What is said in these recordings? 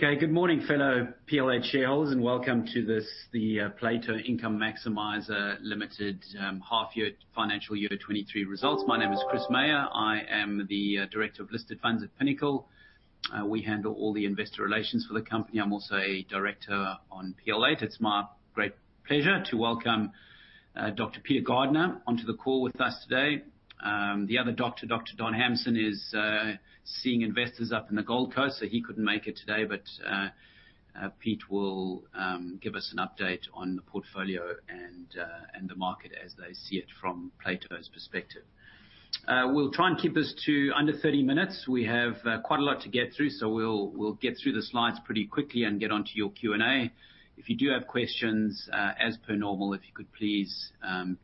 Okay. Good morning, fellow PL8 shareholders, welcome to this, Plato Income Maximiser Limited, half year financial year 23 results. My name is Chris Meyer. I am the Director of Listed Funds at Pinnacle. We handle all the investor relations for the company. I'm also a director on PL8. It's my great pleasure to welcome Dr. Peter Gardner onto the call with us today. The other doctor, Dr. Don Hamson, is seeing investors up in the Gold Coast, he couldn't make it today. Peter will give us an update on the portfolio and the market as they see it from Plato's perspective. We'll try and keep us to under 30 minutes. We have quite a lot to get through, we'll get through the Slides pretty quickly and get onto your Q&A. If you do have questions, as per normal, if you could please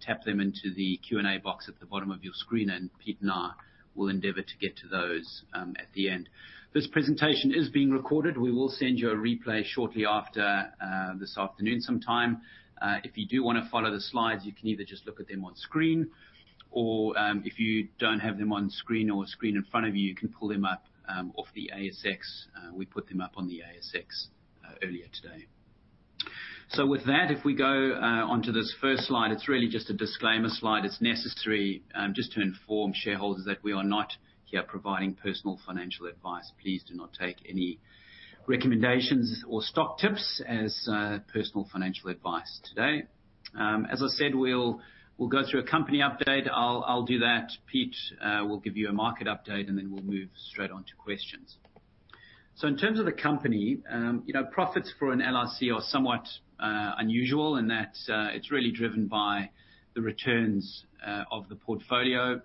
tap them into the Q&A box at the bottom of your screen, and Peter and I will endeavor to get to those at the end. This presentation is being recorded. We will send you a replay shortly after this afternoon sometime. If you do wanna follow the Slides, you can either just look at them on screen or, if you don't have them on screen or a screen in front of you can pull them up off the ASX. We put them up on the ASX earlier today. With that, if we go onto this first Slide, it's really just a disclaimer Slide. It's necessary just to inform shareholders that we are not here providing personal financial advice. Please do not take any recommendations or stock tips as personal financial advice today. As I said, we'll go through a company update. I'll do that. Peter will give you a market update, and then we'll move straight onto questions. In terms of the company, you know, profits for an LIC are somewhat unusual in that it's really driven by the returns of the portfolio.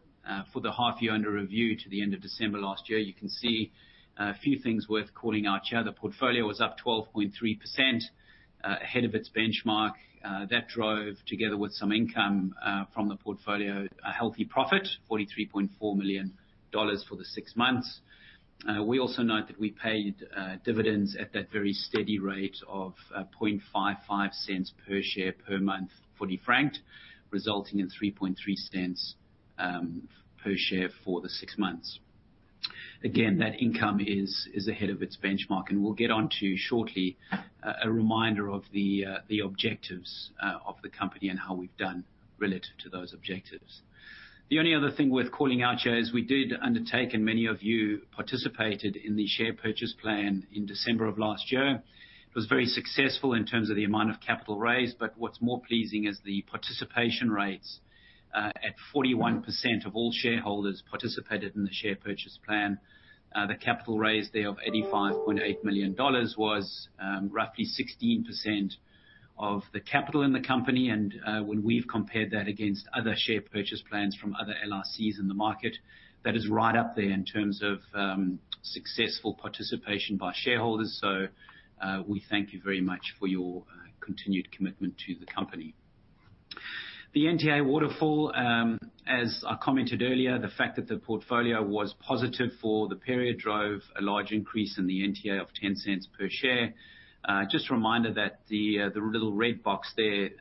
For the half year under review to the end of December last year, you can see a few things worth calling out here. The portfolio was up 12.3% ahead of its benchmark. That drove, together with some income from the portfolio, a healthy profit, AUD $43.4 million for the 6 months. We also note that we paid dividends at that very steady rate of 0.0055 per share per month, fully franked, resulting in 0.033 per share for the 6 months. Again, that income is ahead of its benchmark, we'll get onto shortly a reminder of the objectives of the company and how we've done relative to those objectives. The only other thing worth calling out here is we did undertake, many of you participated in the share purchase plan in December of last year. It was very successful in terms of the amount of capital raised, what's more pleasing is the participation rates at 41% of all shareholders participated in the share purchase plan. The capital raised there of 85.8 million dollars was roughly 16% of the capital in the company. When we've compared that against other share purchase plans from other LICs in the market, that is right up there in terms of successful participation by shareholders. We thank you very much for your continued commitment to the company. The NTA waterfall, as I commented earlier, the fact that the portfolio was positive for the period drove a large increase in the NTA of 0.10 per share. Just a reminder that the little red box there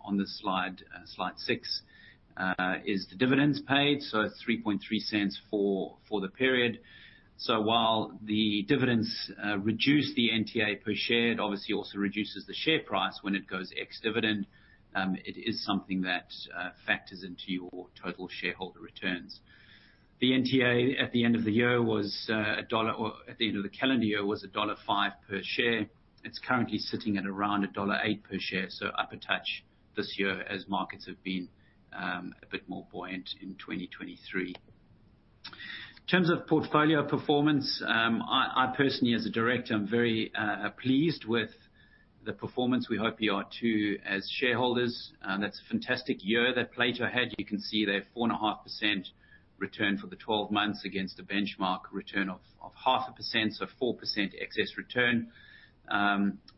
on this Slide 6, is the dividends paid, so 0.033 for the period. While the dividends reduce the NTA per share, it obviously also reduces the share price when it goes EX-dividend. It is something that factors into your total shareholder returns. The NTA at the end of the calendar year was dollar 1.05 per share. It's currently sitting at around dollar 1.08 per share, so up a touch this year as markets have been a bit more buoyant in 2023. In terms of portfolio performance, I personally, as a director, am very pleased with the performance. We hope you are too, as shareholders. That's a fantastic year that Plato had. You can see there, 4.5% return for the 12 months against a benchmark return of 0.5%, so 4% excess return.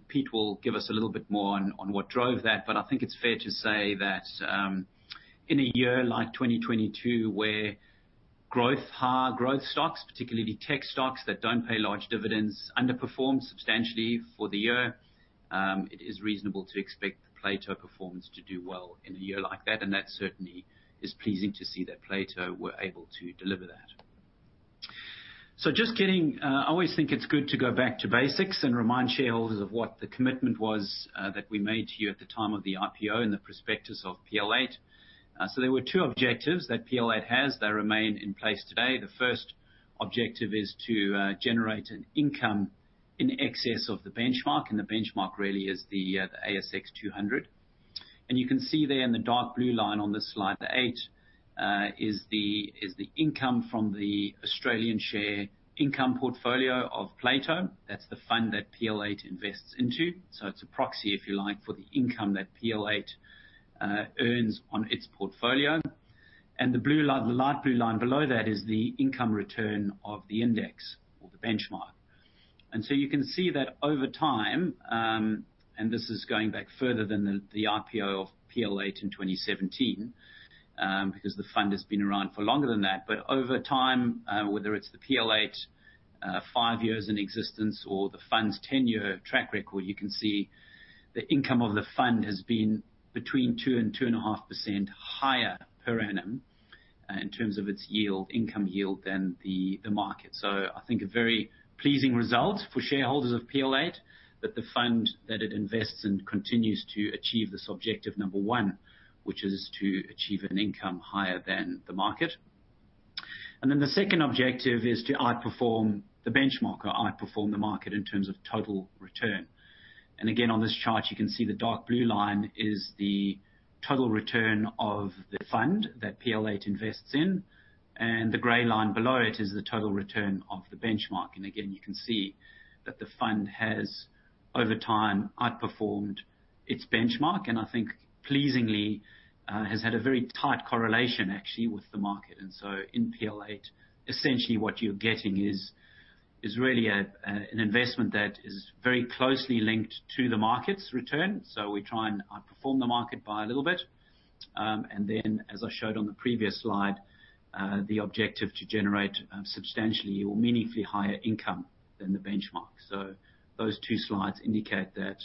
Peter will give us a little bit more on what drove that, but I think it's fair to say that, in a year like 2022, where growth, high growth stocks, particularly tech stocks that don't pay large dividends, underperformed substantially for the year, it is reasonable to expect the Plato performance to do well in a year like that, and that certainly is pleasing to see that Plato were able to deliver that. Just getting, I always think it's good to go back to basics and remind shareholders of what the commitment was that we made to you at the time of the IPO in the prospectus of PL8. There were 2 objectives that PL8 has that remain in place today. The first objective is to generate an income in excess of the benchmark. The benchmark really is the ASX 200. You can see there in the dark blue line on this Slide, is the income from the Australian share income portfolio of Plato. That's the fund that PL8 invests into. It's a proxy, if you like, for the income that PL8 earns on its portfolio. The blue line, the light blue line below that is the income return of the index or the benchmark. You can see that over time, and this is going back further than the IPO of PL8 in 2017, because the fund has been around for longer than that. Over time, whether it's the PL8, 5 years in existence or the fund's 10-year track record, you can see the income of the fund has been between 2% and 2.5% higher per annum. In terms of its yield, income yield than the market. I think a very pleasing result for shareholders of PL8, that the fund that it invests in continues to achieve this objective number 1, which is to achieve an income higher than the market. The second objective is to outperform the benchmark or outperform the market in terms of total return. Again, on this chart, you can see the dark blue line is the total return of the fund that PL8 invests in, and the gray line below it is the total return of the benchmark. Again, you can see that the fund has, over time, outperformed its benchmark, and I think pleasingly, has had a very tight correlation actually with the market. In PL8, essentially what you're getting is really an investment that is very closely linked to the market's return. We try and outperform the market by a little bit. As I showed on the previous Slide, the objective to generate substantially or meaningfully higher income than the benchmark. Those 2 Slides indicate that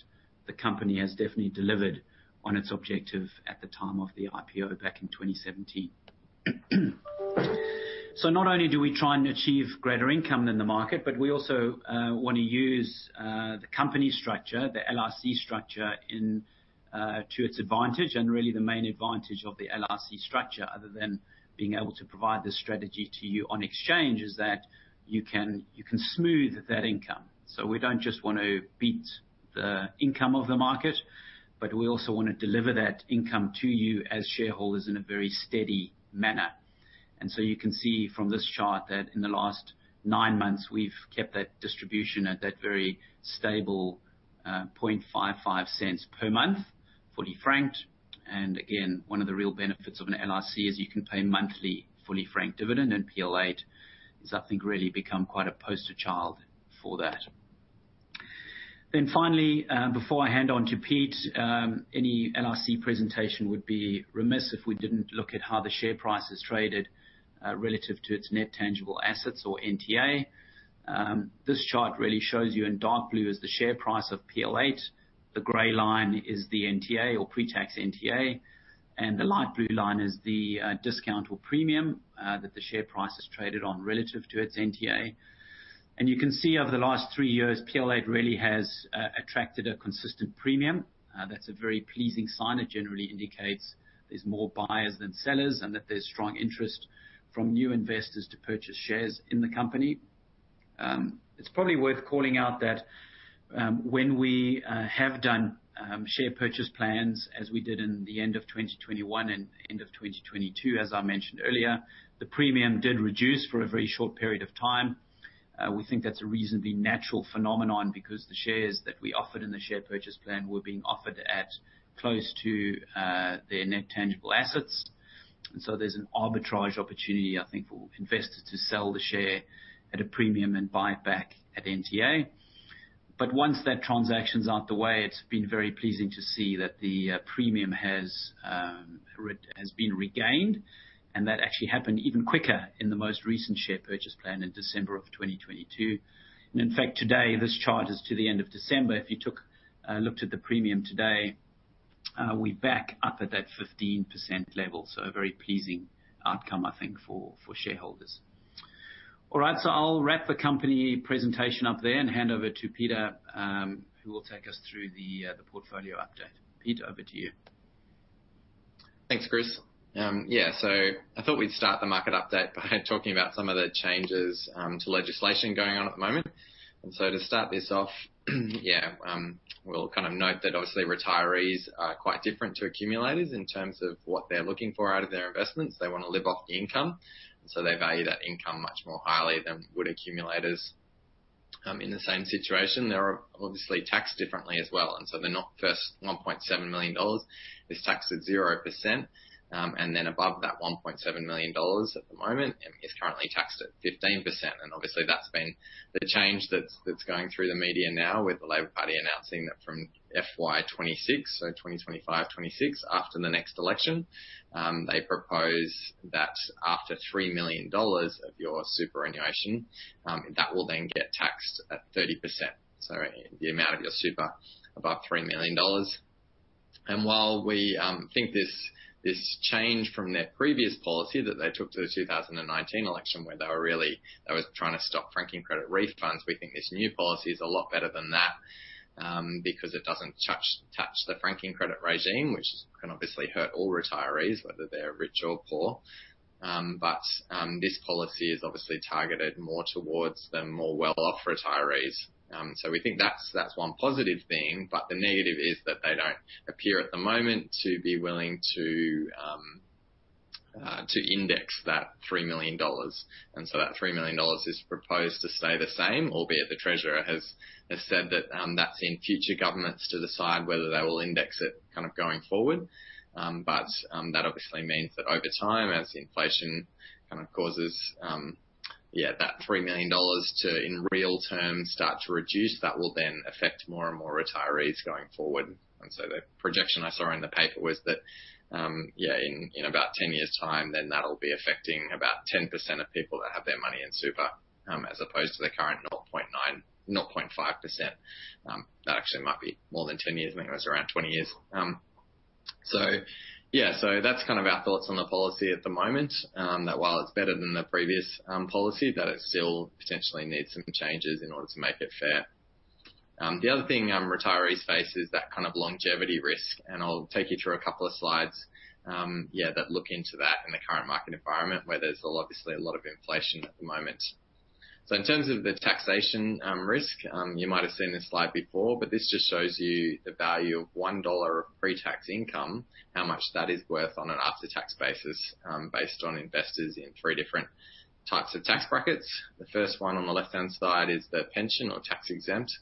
the company has definitely delivered on its objective at the time of the IPO back in 2017. Not only do we try and achieve greater income than the market, but we also want to use the company structure, the LIC structure, to its advantage. Really the main advantage of the LIC structure, other than being able to provide this strategy to you on exchange, is that you can smooth that income. We don't just want to beat the income of the market, but we also wanna deliver that income to you as shareholders in a very steady manner. You can see from this chart that in the last nine months we've kept that distribution at that very stable 0.0055 per month, fully franked. Again, 1 of the real benefits of an LIC is you can pay monthly fully franked dividend, and PL8 has I think really become quite a poster child for that. Finally, before I hand on to Peter, any LIC presentation would be remiss if we didn't look at how the share price has traded relative to its net tangible assets or NTA. This chart really shows you in dark blue is the share price of PL8, the gray line is the NTA or Pre-tax NTA, and the light blue line is the discount or premium that the share price has traded on relative to its NTA. You can see over the last 3 years, PL8 really has attracted a consistent premium. That's a very pleasing sign. It generally indicates there's more buyers than sellers, and that there's strong interest from new investors to purchase shares in the company. It's probably worth calling out that when we have done share purchase plans as we did in the end of 2021 and end of 2022, as I mentioned earlier, the premium did reduce for a very short period of time. We think that's a reasonably natural phenomenon because the shares that we offered in the share purchase plan were being offered at close to their net tangible assets. There's an arbitrage opportunity, I think, for investors to sell the share at a premium and buy back at NTA. Once that transaction's out the way, it's been very pleasing to see that the premium has been regained, and that actually happened even quicker in the most recent share purchase plan in December of 2022. In fact today, this chart is to the end of December. If you looked at the premium today, we're back up at that 15% level, a very pleasing outcome, I think, for shareholders. I'll wrap the company presentation up there and hand over to Peter, who will take us through the portfolio update. Peter, over to you. Thanks, Chris. Yeah. I thought we'd start the market update by talking about some of the changes to legislation going on at the moment. To start this off, yeah, we'll kind of note that obviously retirees are quite different to accumulators in terms of what they're looking for out of their investments. They wanna live off the income, and so they value that income much more highly than would accumulators in the same situation. They are obviously taxed differently as well, and so the not first 1.7 million dollars is taxed at 0%. Above that 1.7 million dollars at the moment and is currently taxed at 15%. Obviously that's been the change that's going through the media now with the Labor Party announcing that from FY26, so 2025, 2026, after the next election, they propose that after $3 million of your superannuation, that will then get taxed at 30%, so the amount of your super above $3 million. While we think this change from their previous policy that they took to the 2019 election where they were really, they were trying to stop franking credit refunds, we think this new policy is a lot better than that, because it doesn't touch the franking credit regime, which can obviously hurt all retirees, whether they're rich or poor. This policy is obviously targeted more towards the more well-off retirees. We think that's 1 positive thing. The negative is that they don't appear at the moment to be willing to index that 3 million dollars. That 3 million dollars is proposed to stay the same, albeit the Treasurer has said that that's in future governments to decide whether they will index it kind of going forward. That obviously means that over time, as inflation kind of causes that 3 million dollars to, in real terms, start to reduce, that will then affect more and more retirees going forward. The projection I saw in the paper was that in about 10 years' time, then that'll be affecting about 10% of people that have their money in super, as opposed to the current 0.9... 0.5%. That actually might be more than 10 years. Maybe it was around 20 years. Yeah, so that's kind of our thoughts on the policy at the moment, that while it's better than the previous policy, that it still potentially needs some changes in order to make it fair. The other thing retirees face is that kind of longevity risk, and I'll take you through a couple of Slides, yeah, that look into that in the current market environment, where there's obviously a lot of inflation at the moment. In terms of the taxation, risk, you might have seen this Slide before, but this just shows you the value of 1 dollar of Pre-tax income, how much that is worth on an after-tax basis, based on investors in 3 different types of tax brackets. The first 1 on the left-hand side is the pension or tax-exempt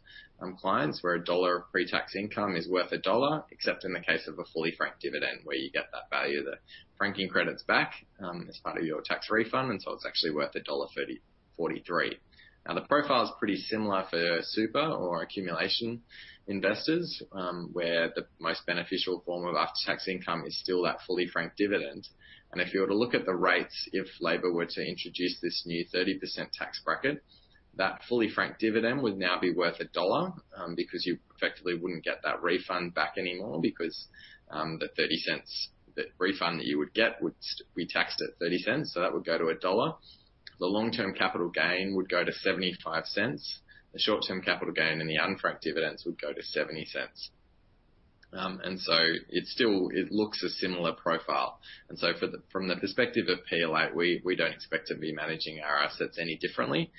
clients, where $1 of Pre-tax income is worth $1, except in the case of a fully franked dividend, where you get that value of the franking credits back as part of your tax refund, it's actually worth $1.43. The profile is pretty similar for super or accumulation investors, where the most beneficial form of after-tax income is still that fully franked dividend. If you were to look at the rates, if Labor were to introduce this new 30% tax bracket, that fully franked dividend would now be worth $1, because you effectively wouldn't get that refund back anymore because the refund that you would get would be taxed at $0.30, so that would go to $1. The long-term capital gain would go to 0.75. The short-term capital gain and the unfranked dividends would go to 0.70. It looks a similar profile. From the perspective of PLA, we don't expect to be managing our assets any differently.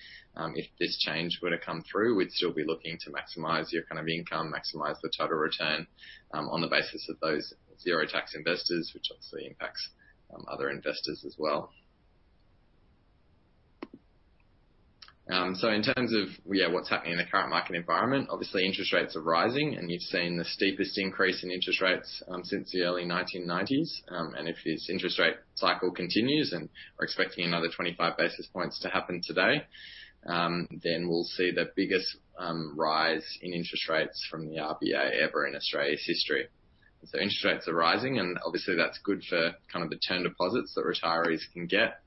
If this change were to come through, we'd still be looking to maximize your kind of income, maximize the total return, on the basis of those zero tax investors, which obviously impacts other investors as well. In terms of, yeah, what's happening in the current market environment, obviously interest rates are rising, and you've seen the steepest increase in interest rates since the early 1990s. If this interest rate cycle continues, and we're expecting another 25 basis points to happen today, then we'll see the biggest rise in interest rates from the RBA ever in Australia's history. Interest rates are rising, and obviously that's good for kind of the term deposits that retirees can get.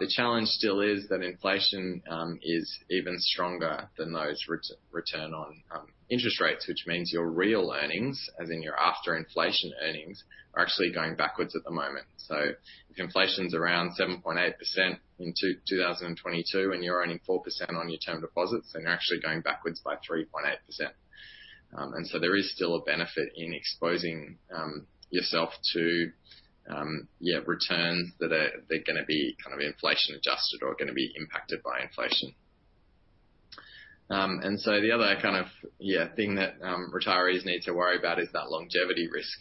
The challenge still is that inflation is even stronger than those return on interest rates, which means your real earnings, as in your after-inflation earnings, are actually going backwards at the moment. If inflation's around 7.8% in 2022, and you're earning 4% on your term deposits, then you're actually going backwards by 3.8%. There is still a benefit in exposing yourself to returns that are gonna be kind of inflation adjusted or gonna be impacted by inflation. The other kind of thing that retirees need to worry about is that longevity risk,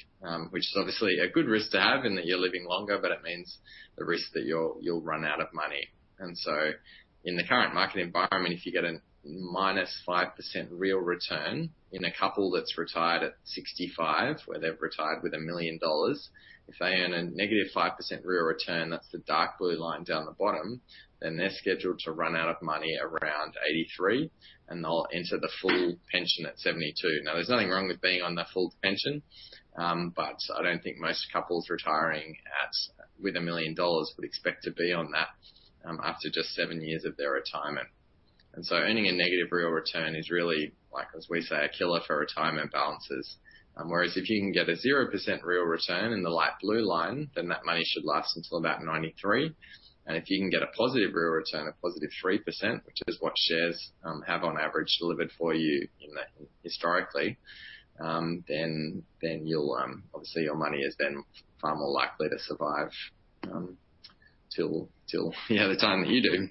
which is obviously a good risk to have in that you're living longer, but it means the risk that you'll run out of money. In the current market environment, if you get a -5% real return in a couple that's retired at 65, where they've retired with 1 million dollars, if they earn a -5% real return, that's the dark blue line down the bottom, then they're scheduled to run out of money around 83, and they'll enter the full pension at 72. Now, there's nothing wrong with being on the full pension, but I don't think most couples retiring at, with 1 million dollars would expect to be on that, after just 7 years of their retirement. Earning a negative real return is really, like as we say, a killer for retirement balances. Whereas if you can get a 0% real return in the light blue line, then that money should last until about 93. If you can get a positive real return, a positive 3%, which is what shares have on average delivered for you historically, then you'll obviously your money is then far more likely to survive, till, you know, the time that you do.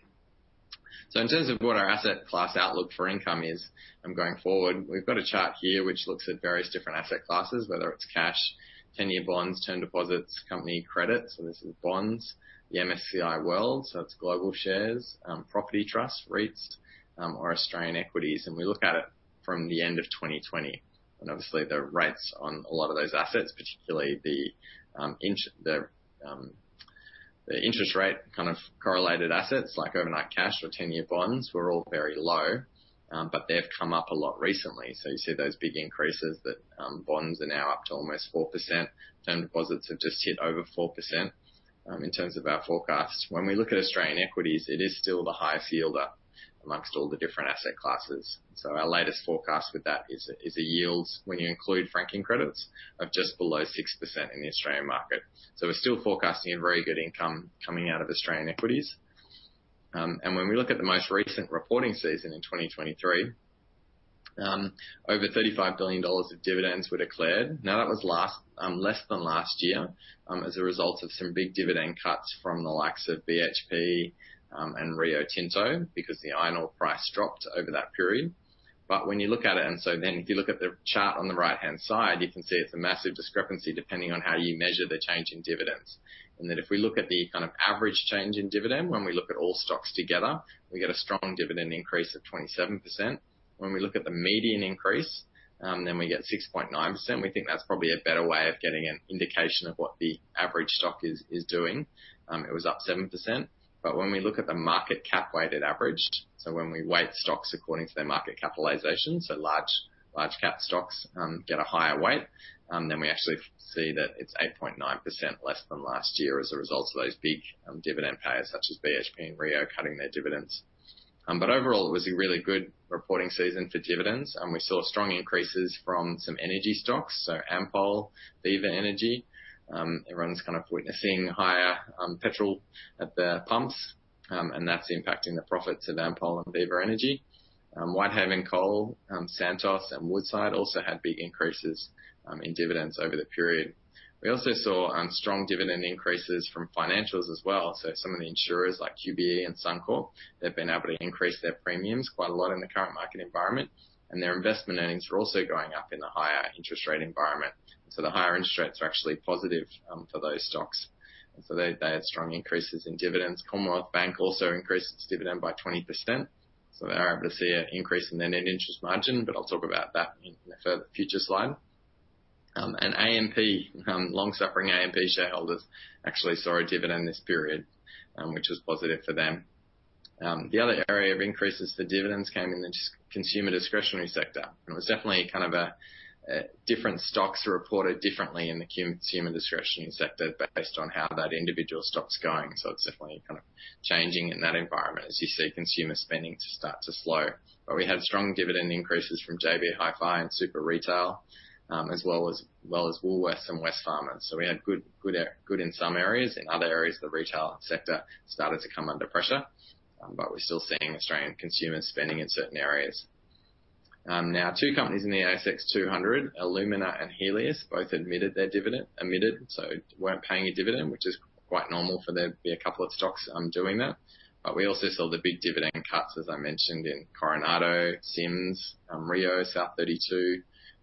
In terms of what our asset class outlook for income is, going forward, we've got a chart here which looks at various different asset classes, whether it's cash, 10-year bonds, term deposits, company credits, so this is bonds, the MSCI World, so that's global shares, property trusts, REITs, or Australian equities. We look at it from the end of 2020. Obviously the rates on a lot of those assets, particularly the interest rate kind of correlated assets like overnight cash or 10-year bonds were all very low, but they've come up a lot recently. You see those big increases that bonds are now up to almost 4%. Term deposits have just hit over 4%. In terms of our forecasts, when we look at Australian equities, it is still the highest yielder amongst all the different asset classes. Our latest forecast with that is a, is a yield, when you include franking credits, of just below 6% in the Australian market. We're still forecasting a very good income coming out of Australian equities. When we look at the most recent reporting season in 2023, over 35 billion dollars of dividends were declared. That was less than last year as a result of some big dividend cuts from the likes of BHP, and Rio Tinto because the iron ore price dropped over that period. When you look at it, if you look at the chart on the right-hand side, you can see it's a massive discrepancy depending on how you measure the change in dividends. If we look at the kind of average change in dividend, when we look at all stocks together, we get a strong dividend increase of 27%. When we look at the median increase, we get 6.9%. We think that's probably a better way of getting an indication of what the average stock is doing. It was up 7%. When we look at the market cap-weighted average, so when we weight stocks according to their market capitalization, so large cap stocks, get a higher weight, then we actually see that it's 8.9% less than last year as a result of those big dividend payers such as BHP and Rio cutting their dividends. Overall, it was a really good reporting season for dividends, and we saw strong increases from some energy stocks, so Ampol, Viva Energy. Everyone's kind of witnessing higher petrol at the pumps, and that's impacting the profits of Ampol and Viva Energy. Whitehaven Coal, Santos, and Woodside also had big increases in dividends over the period. We also saw strong dividend increases from financials as well. Some of the insurers like QBE and Suncorp, they've been able to increase their premiums quite a lot in the current market environment, and their investment earnings were also going up in the higher interest rate environment. The higher interest rates are actually positive for those stocks. They had strong increases in dividends. Commonwealth Bank also increased its dividend by 20%, so they are able to see an increase in their Net Interest Margin, but I'll talk about that in a future Slide. AMP, long-suffering AMP shareholders actually saw a dividend this period, which was positive for them. The other area of increases for dividends came in the consumer discretionary sector. It was definitely kind of Different stocks are reported differently in the consumer discretionary sector based on how that individual stock's going. It's definitely kind of changing in that environment as you see consumer spending start to slow. We had strong dividend increases from JB Hi-Fi and Super Retail, as well as Woolworths and Wesfarmers. We had good in some areas. In other areas, the retail sector started to come under pressure, but we're still seeing Australian consumers spending in certain areas. Now 2 companies in the ASX 200, Alumina and Healius, both omitted their dividend, so weren't paying a dividend, which is quite normal for there be a couple of stocks doing that. We also saw the big dividend cuts, as I mentioned, in Coronado, Sims, Rio, South32,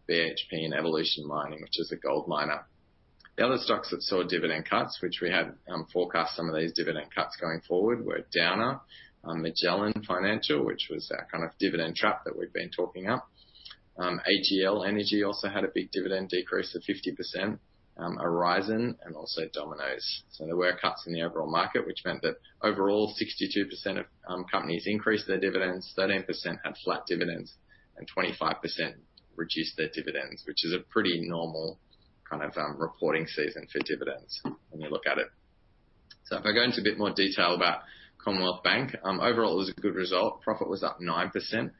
BHP, and Evolution Mining, which is a gold miner. The other stocks that saw dividend cuts, which we had forecast some of these dividend cuts going forward, were Downer, Magellan Financial, which was our kind of dividend trap that we've been talking up. AGL Energy also had a big dividend decrease to 50%, Aurizon, and also Domino's. There were cuts in the overall market, which meant that overall, 62% of companies increased their dividends, 13% had flat dividends, and 25% reduced their dividends, which is a pretty normal kind of reporting season for dividends when you look at it. If I go into a bit more detail about Commonwealth Bank, overall, it was a good result. Profit was up 9%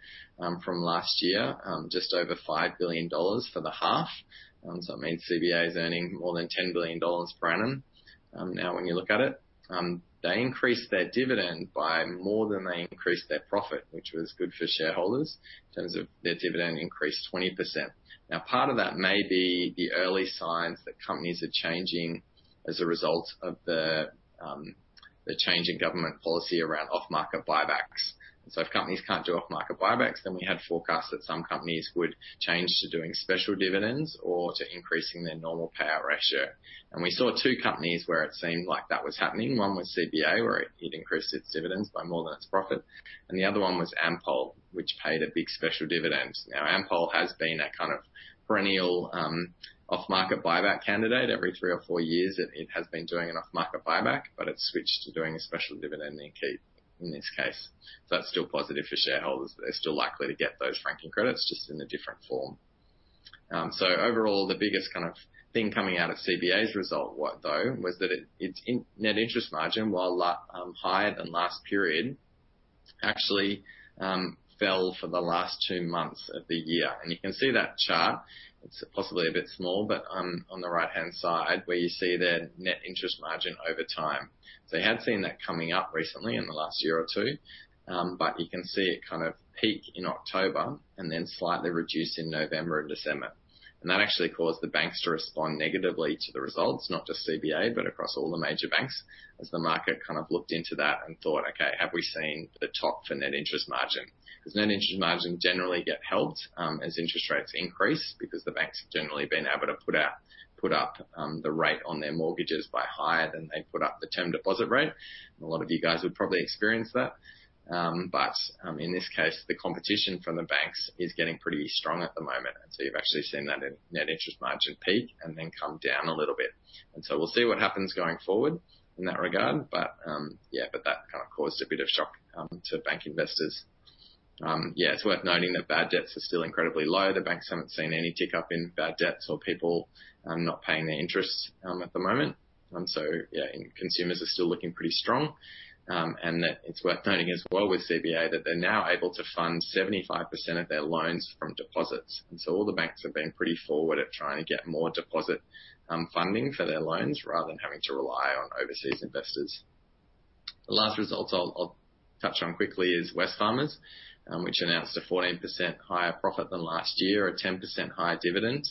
from last year, just over 5 billion dollars for the half. It means CBA is earning more than 10 billion dollars per annum now when you look at it. They increased their dividend by more than they increased their profit, which was good for shareholders in terms of their dividend increased 20%. Part of that may be the early signs that companies are changing as a result of the change in government policy around off-market buybacks. If companies can't do off-market buybacks, then we had forecast that some companies would change to doing special dividends or to increasing their normal payout ratio. We saw 2 companies where it seemed like that was happening. 1 was CBA, where it increased its dividends by more than its profit. The other 1 was Ampol, which paid a big special dividend. Ampol has been a kind of perennial off-market buyback candidate. Every 3 or 4 years it has been doing an off-market buyback, but it's switched to doing a special dividend in this case. That's still positive for shareholders. They're still likely to get those franking credits, just in a different form. Overall, the biggest kind of thing coming out of CBA's result was that its Net Interest Margin, while higher than last period, actually fell for the last 2 months of the year. You can see that chart. It's possibly a bit small, but on the right-hand side where you see their Net Interest Margin over time. You had seen that coming up recently in the last year or 2, but you can see it kind of peak in October and then slightly reduce in November and December. That actually caused the banks to respond negatively to the results, not just CBA, but across all the major banks, as the market kind of looked into that and thought, "Okay, have we seen the top for net interest margin?" ' Cause net interest margin generally get helped, as interest rates increase because the banks have generally been able to put up, the rate on their mortgages by higher than they put up the term deposit rate. A lot of you guys would probably experience that. In this case, the competition from the banks is getting pretty strong at the moment. You've actually seen that in net interest margin peak and then come down a little bit. We'll see what happens going forward in that regard. Yeah, that kind of caused a bit of shock to bank investors. Yeah, it's worth noting that bad debts are still incredibly low. The banks haven't seen any tick-up in bad debts or people not paying their interest at the moment. Yeah, consumers are still looking pretty strong. It's worth noting as well with CBA that they're now able to fund 75% of their loans from deposits. All the banks have been pretty forward at trying to get more deposit funding for their loans rather than having to rely on overseas investors. The last results I'll touch on quickly is Wesfarmers, which announced a 14% higher profit than last year or 10% higher dividend.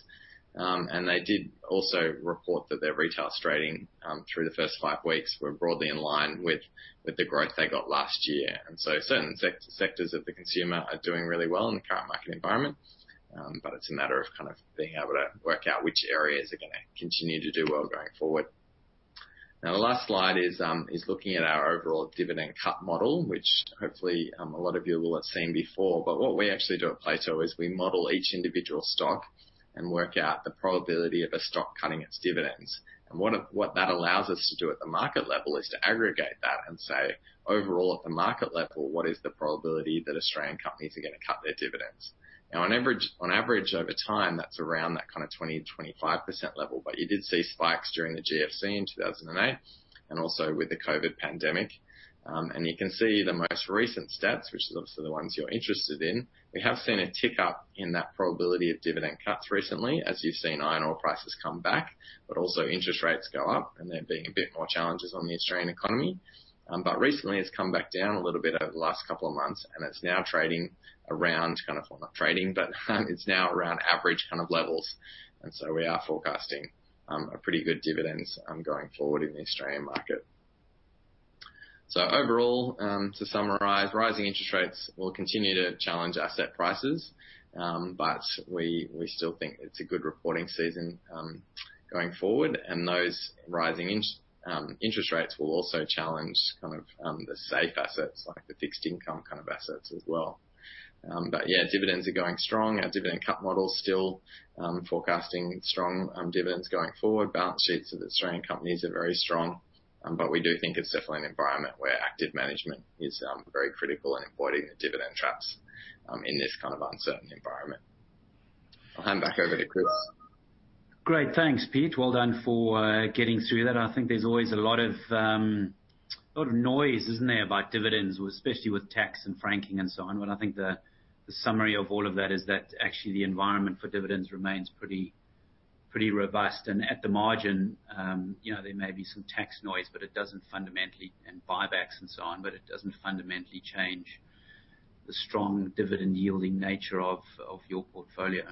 They did also report that their retail trading through the first 5 weeks were broadly in line with the growth they got last year. Certain sectors of the consumer are doing really well in the current market environment. It's a matter of kind of being able to work out which areas are gonna continue to do well going forward. The last Slide is looking at our overall dividend cut model, which hopefully a lot of you will have seen before. What we actually do at Plato is we model each individual stock and work out the probability of a stock cutting its dividends. What that allows us to do at the market level is to aggregate that and say, overall at the market level, what is the probability that Australian companies are gonna cut their dividends? Now, on average, on average over time, that's around that kind of 20%-25% level. You did see spikes during the GFC in 2008, and also with the COVID pandemic. You can see the most recent stats, which is obviously the ones you're interested in. We have seen a tick up in that probability of dividend cuts recently, as you've seen iron ore prices come back, but also interest rates go up, and there being a bit more challenges on the Australian economy. Recently, it's come back down a little bit over the last couple of months, and it's now trading around kind of... Well, not trading, but it's now around average kind of levels. We are forecasting a pretty good dividends going forward in the Australian market. Overall, to summarize, rising interest rates will continue to challenge asset prices. We still think it's a good reporting season going forward. Those rising interest rates will also challenge kind of the safe assets, like the fixed income kind of assets as well. Yeah, dividends are going strong. Our dividend cut model's still forecasting strong dividends going forward. Balance sheets of Australian companies are very strong. We do think it's definitely an environment where active management is very critical in avoiding the dividend traps in this kind of uncertain environment. I'll hand back over to Chris. Great. Thanks, Peter. Well done for getting through that. I think there's always a lot of noise, isn't there, about dividends, especially with tax and franking and so on. I think the summary of all of that is that actually the environment for dividends remains pretty robust. At the margin, you know, there may be some tax noise. And buybacks and so on, but it doesn't fundamentally change the strong dividend-yielding nature of your portfolio.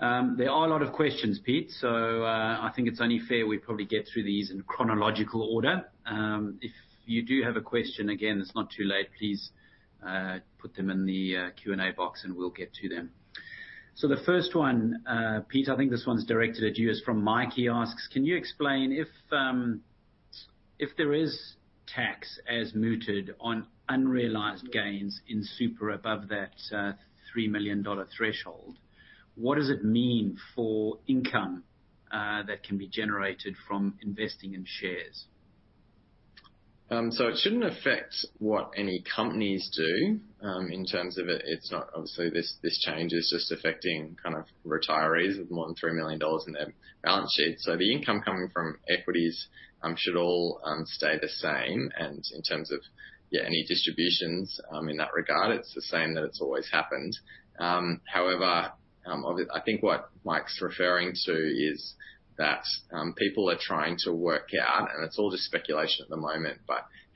There are a lot of questions, Peter. I think it's only fair we probably get through these in chronological order. If you do have a question, again, it's not too late. Please put them in the Q&A box. We'll get to them. The first 1, Peter, I think this one's directed at you, is from Mike. He asks: Can you explain if there is tax as mooted on unrealized gains in super above that, 3 million dollar threshold, what does it mean for income that can be generated from investing in shares? It shouldn't affect what any companies do. In terms of it, obviously, this change is just affecting kind of retirees with more than 3 million dollars in their balance sheet. The income coming from equities should all stay the same. In terms of, yeah, any distributions, in that regard, it's the same that it's always happened. However, I think what Mike's referring to is that people are trying to work out, and it's all just speculation at the moment,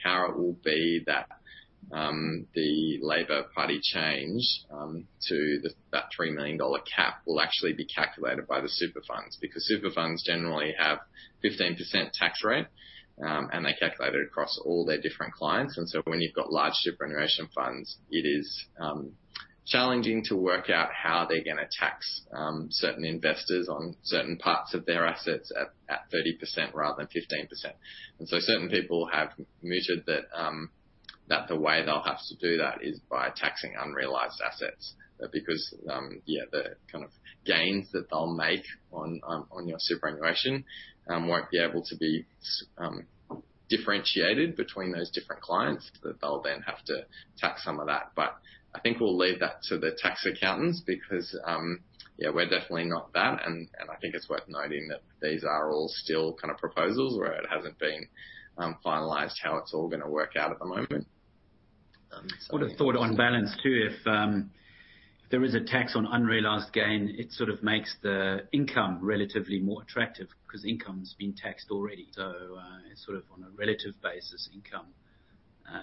how it will be that the Labor Party change to the 3 million dollar cap will actually be calculated by the super funds. Super funds generally have a 15% tax rate, and they calculate it across all their different clients. When you've got large superannuation funds, it is challenging to work out how they're gonna tax certain investors on certain parts of their assets at 30% rather than 15%. Certain people have mooted that the way they'll have to do that is by taxing unrealized assets. Because the kind of gains that they'll make on your superannuation won't be able to be differentiated between those different clients, they'll then have to tax some of that. I think we'll leave that to the tax accountants because we're definitely not that, and I think it's worth noting that these are all still kind of proposals where it hasn't been finalized how it's all gonna work out at the moment. Would have thought on balance too, if there is a tax on unrealized gain, it sort of makes the income relatively more attractive because income's been taxed already. It's sort of on a relative basis, income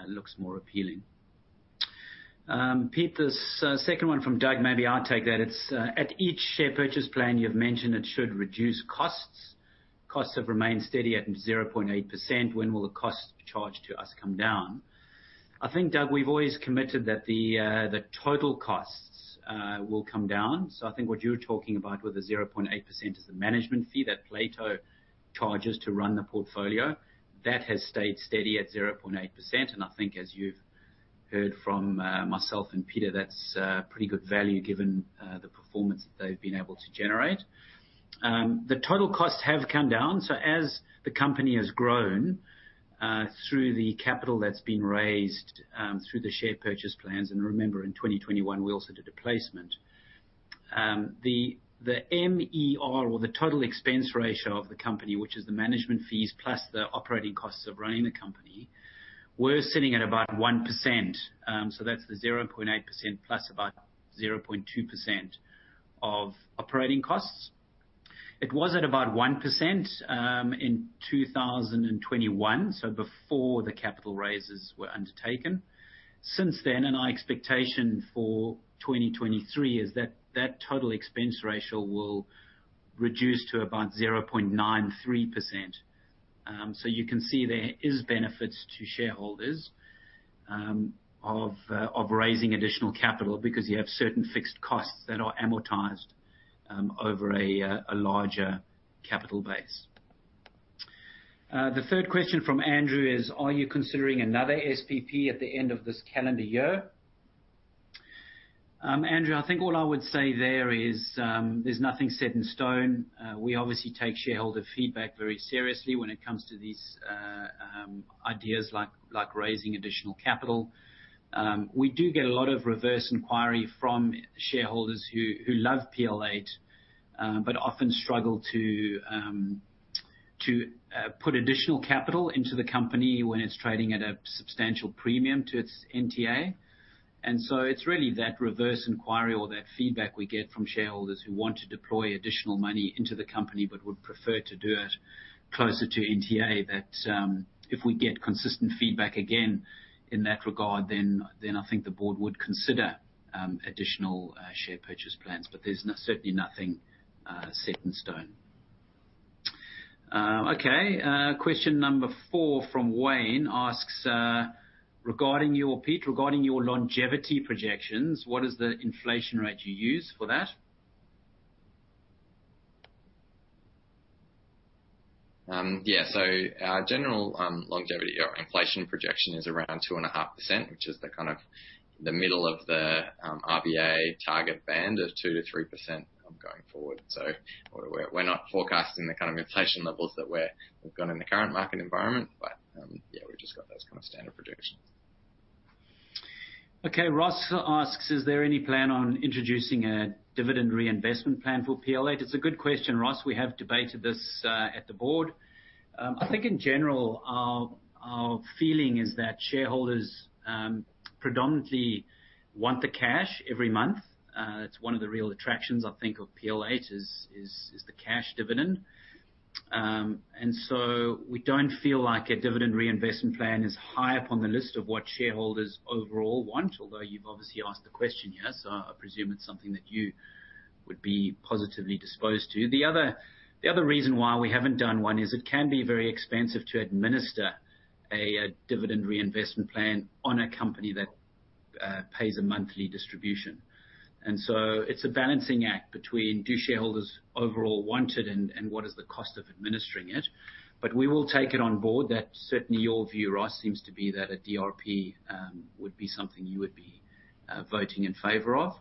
looks more appealing. Peter, this second 1 from Douglas, maybe I'll take that. It's at each share purchase plan, you've mentioned it should reduce costs. Costs have remained steady at 0.8%. When will the cost charged to us come down? I think, Douglas, we've always committed that the total costs will come down. I think what you're talking about with the 0.8% is the management fee that Plato charges to run the portfolio. That has stayed steady at 0.8%, and I think as you've heard from myself and Peter, that's pretty good value given the performance that they've been able to generate. The total costs have come down. As the company has grown, through the capital that's been raised, through the share purchase plans, and remember, in 2021, we also did a placement, the MER or the total expense ratio of the company, which is the management fees plus the operating costs of running the company, we're sitting at about 1%. That's the 0.8% plus about 0.2% of operating costs. It was at about 1% in 2021, so before the capital raises were undertaken. Since then, our expectation for 2023 is that that total expense ratio will reduce to about 0.93%. You can see there is benefits to shareholders of raising additional capital because you have certain fixed costs that are amortized over a larger capital base. The third question from Andrew is: Are you considering another SPP at the end of this calendar year? Andrew, I think what I would say there is, there's nothing set in stone. We obviously take shareholder feedback very seriously when it comes to these ideas like raising additional capital. We do get a lot of reverse inquiry from shareholders who love PL8, but often struggle to put additional capital into the company when it's trading at a substantial premium to its NTA. And so it's really that reverse inquiry or that feedback we get from shareholders who want to deploy additional money into the company, but would prefer to do it closer to NTA that, if we get consistent feedback again in that regard, then I think the board would consider additional share purchase plans. But there's certainly nothing set in stone. Okay, question number 4 from Wayne asks: Peter, regarding your longevity projections, what is the inflation rate you use for that? Yeah. Our general longevity or inflation projection is around 2.5%, which is the kind of the middle of the RBA target band of 2%-3% going forward. We're not forecasting the kind of inflation levels that we've got in the current market environment. Yeah, we've just got those kind of standard projections. Okay. Ross asks: Is there any plan on introducing a dividend reinvestment plan for PL8? It's a good question, Ross. We have debated this at the board. I think in general our feeling is that shareholders predominantly want the cash every month. It's 1 of the real attractions I think of PL8 is the cash dividend. We don't feel like a dividend reinvestment plan is high up on the list of what shareholders overall want. Although you've obviously asked the question here, so I presume it's something that you would be positively disposed to. The other reason why we haven't done 1 is it can be very expensive to administer a dividend reinvestment plan on a company that pays a monthly distribution. It's a balancing act between do shareholders overall want it and what is the cost of administering it. We will take it on board that certainly your view, Ross, seems to be that a DRP would be something you would be voting in favor of.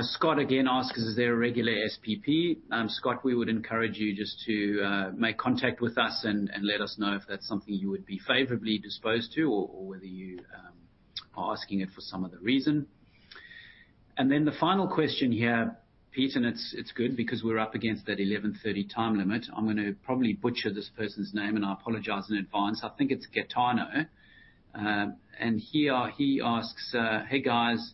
Scott again asks: Is there a regular SPP? Scott, we would encourage you just to make contact with us and let us know if that's something you would be favorably disposed to or whether you are asking it for some other reason. The final question here, Peter, and it's good because we're up against that 11:30 A.M. time limit. I'm gonna probably butcher this person's name, and I apologize in advance. I think it's Gaetano. He asks: Hey, guys,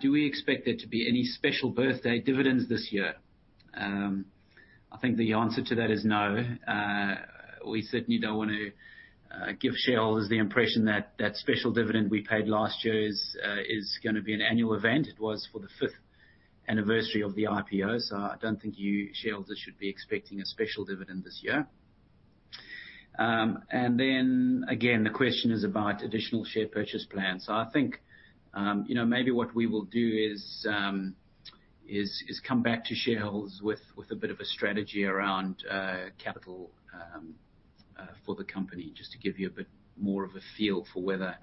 do we expect there to be any special birthday dividends this year? I think the answer to that is no. We certainly don't wanna give shareholders the impression that that special dividend we paid last year is gonna be an annual event. It was for the fifth anniversary of the IPO, so I don't think you shareholders should be expecting a special dividend this year. Again, the question is about additional share purchase plans. I think, you know, maybe what we will do is come back to shareholders with a bit of a strategy around capital for the company, just to give you a bit more of a feel for whether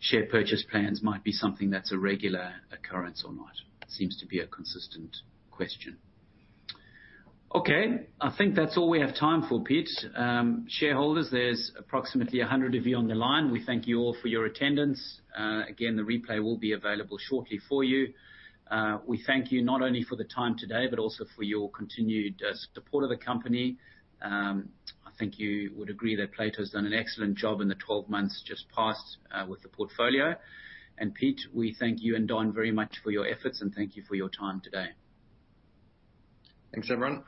share purchase plans might be something that's a regular occurrence or not. Seems to be a consistent question. Okay. I think that's all we have time for, Peter. Shareholders, there's approximately 100 of you on the line. We thank you all for your attendance. Again, the replay will be available shortly for you. We thank you not only for the time today, but also for your continued support of the company. I think you would agree that Plato's done an excellent job in the 12 months just past with the portfolio. Peter, we thank you and Don very much for your efforts, and thank you for your time today. Thanks, everyone.